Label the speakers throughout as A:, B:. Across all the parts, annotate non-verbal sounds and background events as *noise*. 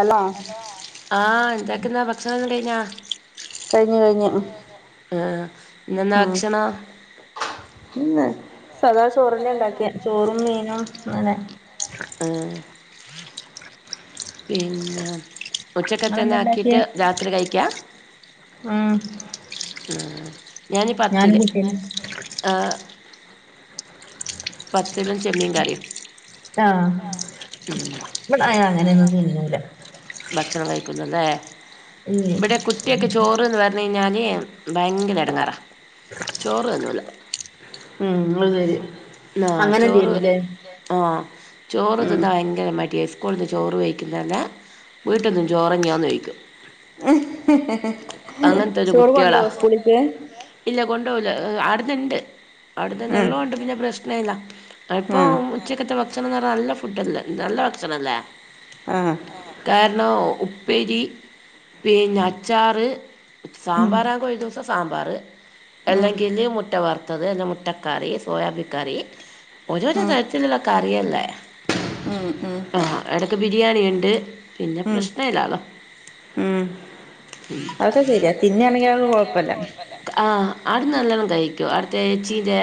A: അല്ല
B: ഹെലോ ആഹ് എന്താക്കുന്നാ ഭക്ഷണോക്കെ കഴിഞ്ഞോ?
A: കഴിഞ്ഞു കഴിഞ്ഞു
B: ആഹ് ഇന്നന്താ
A: ഉം
B: ഭക്ഷണം?
A: ഇന്ന് സദാ ചോറെ ന്നെ ഇണ്ടാക്കിയെ ചോറും മീനും അങ്ങനെ
B: ആഹ് പിന്നെ ഉച്ചക്കത്തന്നെ
A: ഇങ്ങളെന്താ ഇണ്ടാക്കിയെ
B: ആക്കിട്ട് രാത്രി കഴിക്കാ
A: ഉം
B: ആ ഞാനീ
A: ഞാനും
B: പത്തില്
A: കുട്ടിയന്നെ
B: ആഹ് പത്തലും ചെമ്മീൻ കറിയും
A: ആഹ് വ്ടെയാ അങ്ങനെയൊന്നും തിന്നൂല
B: ഭക്ഷണം കഴിക്കൂല ല്ലേ
A: ഇല്ലേ
B: ഇവിടെ കുട്ടിയൊക്കെ ചോറന്ന് പറ ഞാൻ ന് ഭയങ്കര ഇടങ്ങാറാ ചോറ് തിന്നൂല
A: ഉം അത് ശരി
B: ആ
A: അങ്ങനെ
B: ചോറ്
A: എന്തേലുല്ലേ
B: ആഹ് ചോറ്
A: ഉം
B: തിന്നാൻ ഭയങ്കര മടിയ ക്കൂൾന്ന് ചോറ് വെയ്ക്കു തന്നെ വീട്ടിന്നും ചോറെന്നേണോന്ന് ചോയ്ക്കും
A: ചോറ്
B: കുട്ടികളാ
A: കൊണ്ടോകോ സ്കൂളിക്ക്?
B: ഇല്ല കൊണ്ടോകൂല അടു ണ്ട്
A: ഉം
B: അവിടുത്തെന്നെള്ളോണ്ട് പിന്നെ പ്രശ്ന ഇല്ല ഇപ്പൊ
A: ഉം
B: ഉച്ചക്കത്തെ നല്ല ഫുഡല്ലെ നല്ല ഭക്ഷണല്ലേ
A: ആഹ്
B: കാരണം ഉപ്പേരി പിന്നെ അച്ചാറ് സാമ്പാറാ കൊയ സാമ്പാറ്
A: ഉം
B: അല്ലെങ്കിൽ മുട്ട വർത്തത് മുട്ടക്കറി സോയാബിൻ കറി ഓരോരോ
A: ഉം ഉം
B: തരത്തിലുള്ള കറിയല്ലേ
A: ഉം ഉം
B: ആഹ് എടക്ക് ബിരിയാണി ഇണ്ട് പിന്നെ പ്രശ്നം ഇല്ലാലോ
A: ഉം അതൊക്കെ ശരിയാ തിന്നാണെങ്കി അതൊക്കെ കൊഴപ്പല്ല
B: ആഹ് അതു നല്ലണം തയ്ക്കോ അടുത്ത ച്ചീന്റെ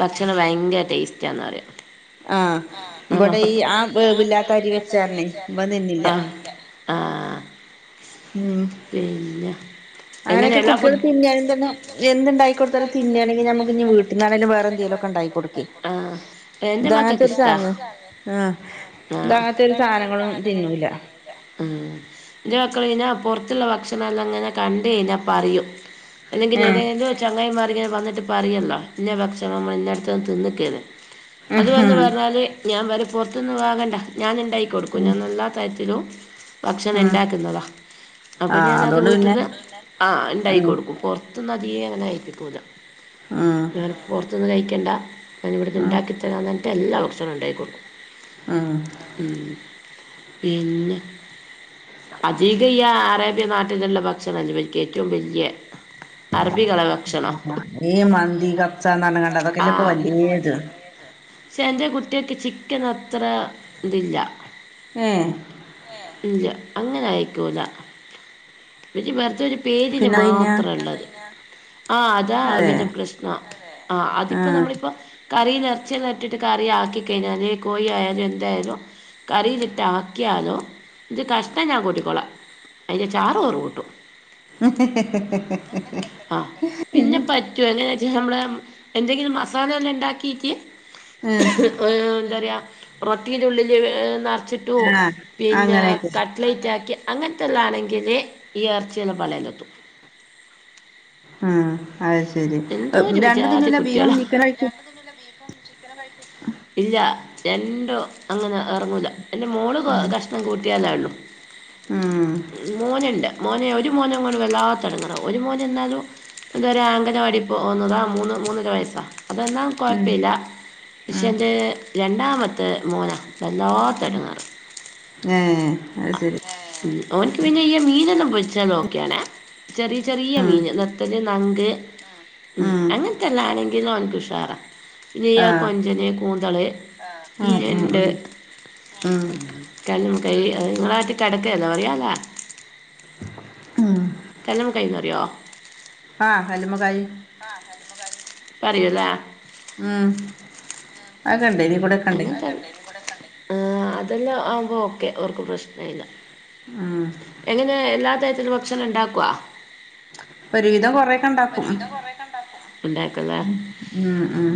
B: ഭക്ഷണം ഭയങ്കര ടേസ്റ്റാന്ന് പറയും
A: ആഹ്
B: ആ
A: ഇബടെ ഈ ആ
B: ഇവിടെ
A: വേവില്ലാത്ത അരി
B: ആഗ്രഹില്ലാത്ത ഒരു
A: വെച്ചാരണേ
B: വെച്ച
A: ഇവൻ തിന്നില്ല
B: ആ ആ
A: ഉം
B: പിന്നെ എങ്ങനെ
A: അങ്ങനെയൊക്കെ
B: എല്ലാ
A: കുട്ടികൾ
B: ഫുഡ്
A: തിന്നയാണെങ്കി തന്ന എന്തുണ്ടാക്കി കൊടുത്താലും തിന്നെയാണെങ്കി നമ്മുക്കിന്നി വീട്ടിനന്നാണേലും വേറെന്തേലൊ ക്കണ്ടാക്കി കൊടുക്ക
B: ആഹ് എൻ്റെ മക്കൾക്ക്
A: ഇതാത്തെരു
B: ഇഷ്ടാ
A: സാന ആ ഇത
B: ആഹ്
A: അങ്ങത്തെ
B: ഇഷ്ടാ
A: ഒരു സാധനങ്ങളും തിന്നൂല
B: ഉം അടുക്കളയിലാ പുറത്തുള്ള ഭക്ഷണംല്ലാംങ്ങനെ കണ്ട് പറയും അല്ലെങ്കിൽ
A: ഏഹ്
B: ഏത ചങ്ങായി ങ്ങനെ വന്നിട്ട് പറയല്ലോ ഇന്നെ ഭക്ഷണം ഇന്നന്റെ അടുത്ത്ന്ന് തിന്നക്കെ അത് വ
A: ആഹ്
B: പറഞ്ഞാല് ഞാൻ പറയും പുറത്ത് നിന്ന് വാണ്ട ഞാൻ തൈ കൊടുക്കും ഞാൻ എല്ലാം തരത്തിലും ഭക്ഷണം
A: ആഹ്
B: ഉണ്ടാക്കുന്നതാണ് അപ്പം
A: ആഹ്
B: ഞാൻത്
A: അതുകൊണ്ട് പിന്നെ
B: വീട്ടിൽന്ന് ആ ഉണ്ടാക്കി
A: ഉം
B: കൊടുക്കും പുറ പുറത്തുന്ന് അധെ അങ്ങനെ കഴപ്പിക്കൂങ്ങന
A: ഉം
B: പുറത്തനിന്ന് കഴിക്കണ്ട ഞാൻ ഇവിടെ
A: ഉം
B: ഉണ്ടാക്കിത്തരാന്ന് പറഞ്ഞിട്ട് എല്ലാ ഭക്ഷണവും ഉണ്ടായിക്കൊണ്ടുക്കും
A: ഉം
B: പിന്നെ അധികയ്യ അറേബ്യ നാട്ടിലുള്ള ഭക്ഷണംമല്ല എനിക്ക് ഏറ്റവും വലിയ അറബികളെ ഭക്ഷണം
A: ആ ഏയ് മന്തി കബ്സന്ന് കണ്ട് അതൊക്കെല്ല ഇപ്പൊ വലിയത്
B: സഞ്ന്റെ ഗുട്ടേച്ച ചിക്കൻ അത്ര ഇതില്ല
A: ഏഹ്
B: ഇല്ല അങ്ങനെ ആയിക്കല പി വറത്ത ഒരു പേരിന്
A: പിന്നെ പിന്നെ
B: മാത്രള്ളത് ആ അതാ
A: അതെ
B: വിവിധ പ്രശ്നം ആ അതിപ്പോ
A: ആഹ്
B: നമ്മളിപ്പോ കറി നിറച്ച നീട്ടിട്ട് കറി ആക്കി കഴിഞ്ഞാല് കോഴി ആയാലും എന്തായാലും കറി വിറ്റ ആക്കിയാലോ ഇത് കഷ്ണം ഞാൻ കൂട്ടിക്കൊളാം അതി ചാറ്പറ് കൂട്ടും ആ പിന്നെ പറ്റോ എങ്ങനെ പ നമ്മള് എന്തെങ്കിലും മസാല എല്ലാം ഉണ്ടാക്കിട്ട്
A: ഉം
B: എന്താ പറയാ റൊട്ടി ഉള്ളില് നിറച്ചിട്ടു
A: ആഹ്
B: പിന്നെ
A: അങ്ങനെയൊക്കെ
B: കട്ട്ലേറ്റ് ആക്കി അങ്ങനെ ല്ലാണെങ്കിലേ ഈ ആർച്ചൽ വളലത്തും
A: ഉം അത് ശരി
B: ഒരു
A: രണ്ടു
B: ജാതി
A: നിണ്ടല്ല ബീഫും
B: കുട്ടികളാ
A: ചിക്കൻ
B: ഇല്ല രണ്ടോ അങ്ങനെ ഇറങ്ങൂല എൻ്റെ മോള്
A: ഉം
B: കഷ്ണം കൂട്ടിയാലാ ഉള്ളു
A: ഉം
B: മോനുണ്ട് മോനെ ഒരു മോ വല്ലാങ്ങണം ഒരു മോന എന്നാലും എന്തന ഒന്നതാ മൂന്ന് മൂന്നര വയസാ അതൊന്നും
A: ഉം
B: കുഴപ്പമില്ല
A: ഉം
B: ഇഷൻ് രണ്ടാമത്തെ മോന വല്ലാത്ത ഇടങ്ങേറ
A: ഏഹ് അത് ശരി
B: ഒഓനക്ക് മീൻ ഒന്നും പൊരിച്ചൊള്ള ചെറിയ ചെറിയ മീൻ അങ്ങനത്തെ
A: ഉം
B: ന്നാ അവനക്ക് ഉഷാറാം ഇനിയാ
A: ആഹ്
B: കൊഞ്ചന് കൂന്തള്
A: ഉം ഉം
B: പിന്നണ്ട്
A: ഉം ഉം
B: കമു കൈ നിങ്ങളാട്ടി കിടക്ക എന്താ പറയാലാ
A: ഉം
B: കല്ലുമ്മ കൈ ന്ന്റിയോ?
A: ആകല്ലുമ്മകായി
B: അറിയുംലെ
A: ഉം അക്കണ്ടേ ഇനി കൂടെ ഒക്കണ്ടേ
B: ആ അതെല്ലാം ആവുമ്പോ ഓക്കെ അവർക്ക് പ്രശ്ന ഇല്ല
A: ഉം
B: എങ്ങനെ എല്ലാ തരത്തിലും ഭക്ഷണം ഉണ്ടാക്കവാ
A: ഒരുവിധം കൊറെ ണ്ടാക്കും
B: ഉണ്ടാക്കല്ലേ
A: ഉം ഉം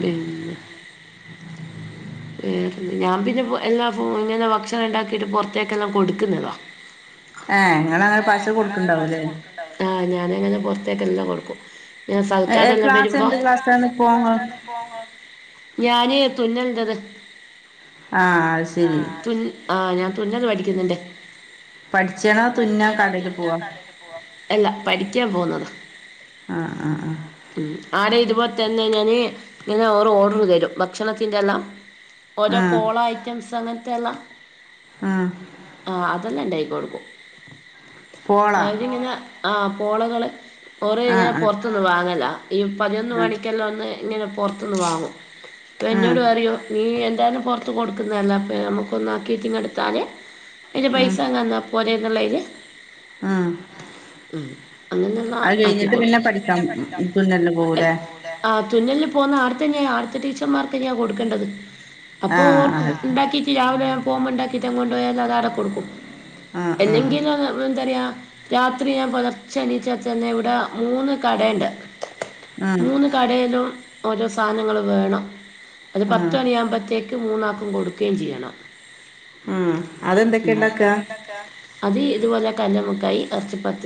B: വേറെ ഞാൻ പിന്നെ എല്ലാ ഇങ്ങനെ ഭക്ഷണം ഉണ്ടാക്കിട്ട് പുറത്തേക്കെല്ലാം കൊടുക്കുന്നതാണ്
A: ഏഹ് ഇങ്ങളങ്ങനെ പാർസൽ കൊടുക്ക്ണ്ടാവുംല്ലേ
B: ആ ഞാനങ്ങനെ പുറത്തേക്ക എല്ലാം കൊടുക്കും ഞാ സൽക്കാര ത
A: ഏഹ്
B: എന്നെ
A: ക്ലാസ്
B: വരുമ്പോ
A: എന്ത് ക്ലാസ്സാണിപ്പോ ആഹ്
B: ഞാനേ തുന്നലണ്ടത്
A: അത് ശരി
B: തൻ ആ ഞാൻ തുന്നല് പഠിക്കുന്നുന്റെറെ
A: പഠിച്ചാണോ തുന്നാ
B: ഠ
A: കടേല് പോവാ
B: ക അല്ല പഠിക്കാ പോുന്നത്
A: അ അ അഹ്
B: *unintelligible* ഇരുപത്തെനന്നി *unintelligible* ഓർഡർതരും ഭക്ഷണത്തിന്റെല്ലാം
A: ആഹ്
B: ഓരോ പോളഐറ്റംസ്ങ്ങനത്തെല്ലാം
A: ആഹ് ആഹ്
B: അ അതെല്ലാംണ്ടായി
A: പോള
B: *unintelligible* *unintelligible* ആപോളകള്
A: ആ
B: കുറെയ്ഞ്ഞ
A: ആ
B: പുറത്ത്ന്ന് വാങ്ങല ഈ
A: ആ
B: പതിനൊന്ന്മണിക്കെല്ലാംന്ന് ഇങ്ങനെ പൊറത്തുന്ന് വാങ്ങും
A: ആ
B: ക്കഎന്നോട് പറയും നീയാന്താലുംപൊറത്ത് കൊടുക്കുന്നതല്ല നമുക്കൊന്നാക്കിട്ടിങ്ങഎടുത്താല് അതിന്റെ പൈസ തന്ന പോലന്നുള്ളയില്
A: ആഹ്
B: അങ്ങനെയുള്ള ആക്കി
A: അത്കഴിഞ്ഞിട്ട് പിന്നെ
B: കൊടുക്കും
A: പഠിക്കാം തുന്നൽന്നുപോവൂലെ?
B: ആഹ് തുന്നൽന്ന് പോന്ന ആവുട്തന്നെ അടുത്തടീച്ചർമാർക്ക്ന്നെ കൊടുക്കേണ്ടത്.
A: ആ ആ
B: അപ്പോൾഉണ്ടാക്കിട്ട് രാവിലെ പോവുമ്പോ ഉണ്ടാക്കിയിട്ട് കൊണ്ടോയാൽ അതാവിടെകൊടുക്കും
A: ആ ആ
B: എന്നെങ്കിലും ന്താ പറയുക രാത്രിഞാൻ പുലർച്ചഎണീച്ചചന്നെ ഇവിടാ മൂന്ന്കടേണ്ട്
A: ആ
B: മൂന്ന്കടയിലും ഓരോസാധനങ്ങള് വേണം അത്പത്ത്
A: ആ
B: പത്ത്ണിയവുമ്പോത്തേക്ക് മൂന്നാക്ക് കൊടുക്കേംചെയ്യണം
A: ഉം അതെന്തൊക്കെ
B: മം. അത് ന്താ ഇണ്ടാക്കാ? അത് ഇതുപോലെക്കന്നെ കൈ *unintelligible*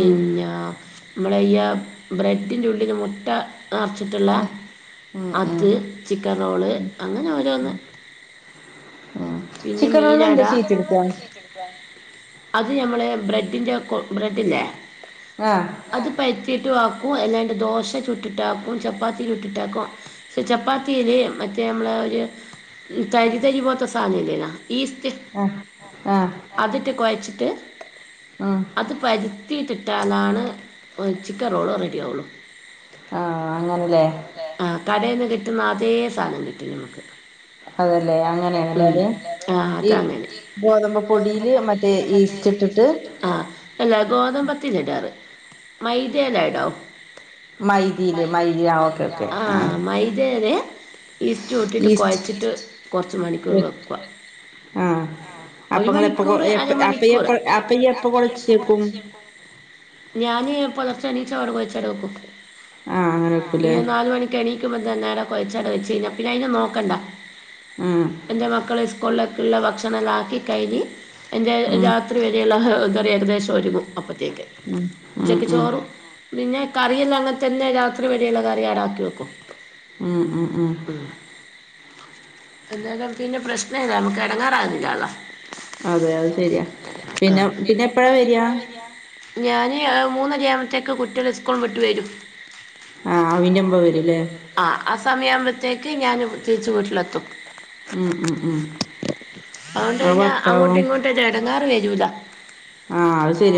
A: ഉം
B: നമ്മളിയ ബ്രെഡിൻ്റെഉള്ളില് മുട്ടാ അറച്ചിട്ടുള്ള
A: ഉം ഉം
B: അത് അങ്ങനെഒരോന്ന്
A: ഉം
B: പിന്നെ
A: ചിക്കൻ റോള് എന്താ
B: മീനാടാ
A: ചീറ്റെടുക്കാ
B: അത് മ്മളെ ബ്രെഡിന്റെകൊ ബ്രെഡ്ല്ലേ
A: ആ
B: അത് പറ്റിയിട്ട് *unintelligible* ദോശചുട്ട്ട്ടാക്കും ചപ്പാത്തിചുട്ടിട്ടാക്കും ചപ്പാത്തി *unintelligible* മറ്റേമ്മളെ ഒരു തരിതരിപോൽത്ത സാനല്ലെയ്നോ ഈസ്റ്റ്
A: ആ ആ
B: അതിട്ട് കുഴച്ചിട്ട്
A: ഉം
B: അത് പരുത്തിയിട്ടിട്ടാലാണ് ചിക്കൻറോള് റെഡിയാവൊള്ളു
A: ആ അങ്ങനെല്ലേ
B: ആ കടേൽന്ന്കിട്ടുന്ന അതേസാനംകിട്ടുംമ്മുക്ക്
A: അതല്ലേ അങ്ങനെണ്ലത്
B: ആ അത *unintelligible* ഗോതമ്പ്
A: മറ്റേ
B: പൊടിൽ
A: ഈസ്റ്റ് ഇട്ടിട്ട്
B: ഇസ്റ്റ് ഇട്ട് കാണ്ട് ആഹ് ഗോതമ്പത്തില്ല ഇടാറ് മൈദയില ടോ
A: മൈദീല് മൈദ
B: മൈദിൽ
A: ആ
B: മൈ
A: ഓക്കെ ഓക്കെ ആ
B: ആഹ് മൈ ഇതേരെ ഇസ്റ്റുട്ടിട്ട്
A: ഈസ്റ്റ്
B: കോയച്ചിട്ട് കൊർച്ച് മണിക്കൂർ വെക്ക ആഹ്
A: അപ്പൊ
B: ഒരു
A: ഇങ്ങള് എപ്പ കൊ
B: മണിക്കൂർ
A: എപ്പ അപ്പ ഇയ്യ്
B: അരമണിക്കൂർ
A: എപ്പ
B: അപ്പം
A: അപ്പ ഇയ്യ് എപ്പ
B: ഇജി എപ്പം
A: കൊളച്ചിക്കും
B: കൊഴിച്ചി വെക്കും ഞാന് പുലർച്ചെ എണീച്ച അവ്ടെ കൊയ്ച അവിടെ വെക്കും
A: ആഹ് അങ്ങനെ വെക്കൂലേ
B: ഈ നാല്മണിക്ക് ണീ കൊഴച്ചവ്‌ടെ വെച്ച്യ്ഞ്ഞ പിന്നെയ്നെ നോക്കണ്ട
A: ആഹ്
B: എന്റെ മക്കള് സ്കൂളിളെ *unintelligible* ഭക്ഷണാല്ലക്കി കഴഞ്ഞി എൻ്റെ
A: ഉം
B: രാത്രിവരെയുള്ള *unintelligible* ഏകദേശ *unintelligible*
A: ഉം ഉം
B: ഉച്ചക്ക്
A: ഉം
B: ചോറും പിന്നെകറില്ലാംങ്ങ തെന്നെ രാത്രിവരെയുള്ള കറി അവ്‌ടാക്കിവെക്കും
A: ഉമ് ഉമ് ഉമ്
B: എന്തായാലും നമുക്കിന്നെ പ്രശ്നല്ല നമ്മുക്ക്ടങ്ങാറാവുന്നില്ലല്ലോ
A: അതെ അത് ശരിയാ പിന്നെ പിന്നെ എപ്പയ വര?
B: ഞാന് മൂന്നരയകുമ്പഴത്തേക്ക് കുട്ടിയള് സ്കൂൾ വിട്ട് വരും
A: ആഹ് അവിന്റെ ബ് വരൂല്ലേ
B: ആ ആ സമയ ആവുമ്പഴത്തേക്ക് ഞാന് തിരിച്ച് വീട്ടിലെത്തും
A: ഉം ഉം ഉം അത്
B: അതൊണ്ടന്നെ
A: ഭർത്താവോ
B: അങ്ങോട്ടും ഇങ്ങോട്ടും എടങ്ങേറ് വ ആഹ്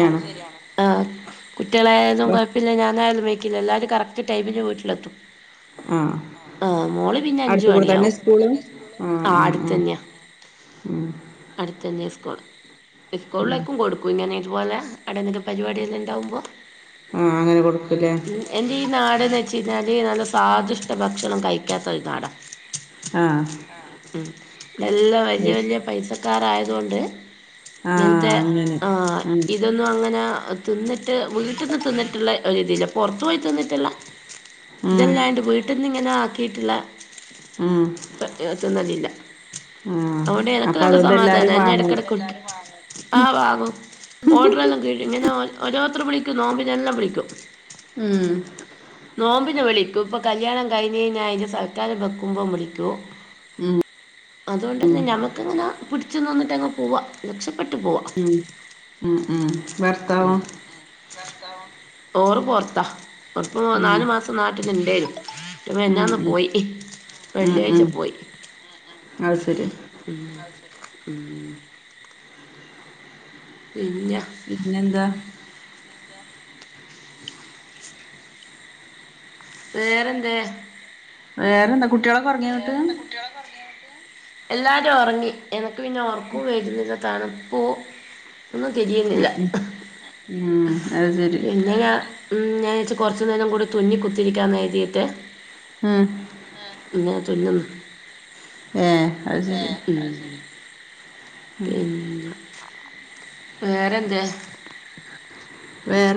B: അത് ശരിയാണ് ആഹ് കുട്ടികളായാലും കുഴപ്പില്ല ഞാനാലും- വക്കില എല്ലാവരും കറക്റ്റ് ടൈമിന് വീട്ടിലെത്തും-
A: ആഹ്
B: ആഹ് മോള് പിന്നെ അഞ്ച
A: അടുത്ത് കൂടെ
B: മണിയ
A: തന്നെ
B: ആവും
A: സ്കൂള് ആഹ്
B: ആ
A: ആഹ് ആഹ്
B: അടുത്തന്നെയാ
A: ഉം
B: അടുത്തന്നെ ഉസ്കൂളിലേക്കും കൊടുക്കും ഇങ്ങനെ ഇതുപോലെ ആടന്നെല്ലാം പരിപാടി എല്ലാംണ്ടാവുമ്പോ-
A: ആഹ് അങ്ങനെ കൊടുക്കൂല്ലേ
B: എന്റെ ഈ നാട് എ വെച്ച കഴിഞ്ഞാല് നല്ല സ്വാദിഷ്ട ഭക്ഷണം കഴിക്കാത്താ ഒരു നാടാ,
A: ആഹ്
B: ആഹ് എല്ലാം വലിയ വല്യ പൈസക്കാരായത്കൊണ്ട്
A: ആഹ്
B: ഇങ്ങനത്തെ
A: അങ്ങനെ
B: ആഹ്
A: ഉം
B: ഇതൊന്നും അങ്ങനെ തിന്നിട്ട് വീട്ടീന്ന് തിന്നിട്ടുള്ള ഒരുത്തില്ല, പുറത്തു പോയി തിന്നിട്ടുള്ള
A: ഉം
B: ഇതല്ലാണ്ട് വീട്ടിൽന്ന് ഇങ്ങനെ ആക്കിയിട്ടുള്ള
A: ഉം
B: തിന്നലില്ല
A: ആഹ്
B: ഓണ്ട് എനക്ക്
A: അപ്പൊ
B: നല്ല
A: അതുകൊണ്ട്
B: സമാധാനാ,
A: എല്ലാരും
B: എന്നെ
A: വാങ്ങും
B: ഇടക്കിടക്ക് ആഹ് വാങ്ങും, ഓർഡർ എല്ലാം കീഴും, ഇങ്ങനെ ഒരോരുത്തർ വിളിക്കും നോമ്പിന് എല്ലാം വിളിക്കും.
A: ഉം
B: നോമ്പിന് വിളി ഇപ്പൾ കല്യാണം കഴിഞ്ഞ കഴിഞ്ഞായലും സൽക്കാരം വെക്കുമ്പോ വിളിക്കൂ
A: ഉം
B: അതുകൊണ്ടന്നെ ഞമക്ക് അങ്ങനെ പിടിച്ചന്ന് വന്നിട്ട്ങ്ങ് പോവാ പോവാ
A: ഉം ഉം ഉം ഭർത്താവോ?
B: ഓര് പുറത്താ, ഇപ്പൊ
A: ഉം
B: നാലു മാസം നാട്ടിൽ ഉണ്ടായിന്നു.
A: ഉം
B: മിന്നാന്ന് പോയി,
A: ഉം ഉം
B: വെള്ളിയാഴ്ച
A: ഉം
B: പോയി
A: അത് ശരി-
B: ഉം ഉം പിന്നെ
A: പിന്നെെന്താ? *unintelligible*
B: വേറെന്തെ?
A: വേറെന്താ കുട്ടികളൊക്കെ ഉറങ്ങിയോന്നിട്ട്?
B: എല്ലാരോറങ്ങി എനക്ക് പിന്നെ ഉർക്കും വെരുന്നില്ല തണുപ്പൂ, ഒന്നും കെരിയ്ന്നില്ല,
A: ഉം ഉം ഉം അത് ശരി
B: പിന്നെയാ ഉം ഞാനീച്ഛ് കൊറച് നേരോം കൂടി തുന്നി കുത്തിരിക്കാന്ന് കരുതീട്ടേ
A: ഉം
B: ന്നാ തുന്ന്ന്ന്?
A: ഏഹ് അത് ശരി
B: ഉം പിൻ വേറെന്തെ
A: വേറെ